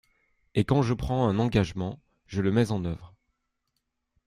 Et quand je prends un engagement, je le mets en œuvre.